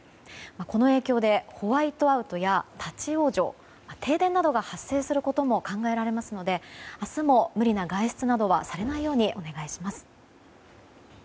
この影響でホワイトアウトや立ち往生停電などが発生することも考えられますので明日も無理な外出などはされないようにお願いします。